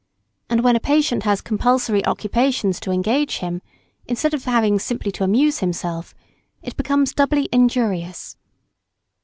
And when a patient has compulsory occupations to engage him, instead of having simply to amuse himself, it becomes doubly injurious.